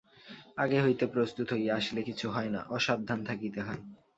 আগে হইতে প্রস্তুত হইয়া আসিলে কিছু হয় না, অসাবধান থাকিতে হয়।